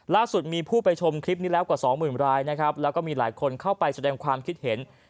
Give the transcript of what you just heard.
ล่าสุดมีผู้ไปชมคลิปนี้แล้วกว่าสองหมื่นรายนะครับแล้วก็มีหลายคนเข้าไปแสดงความคิดเห็น